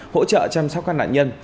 hỗ trợ chăm sóc các nạn nhân